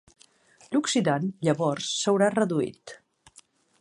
L'oxidant, llavors, s'haurà reduït.